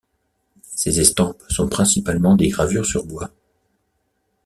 Ses estampes sont principalement des gravures sur bois.